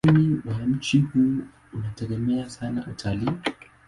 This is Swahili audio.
Uchumi wa mji huu unategemea sana utalii.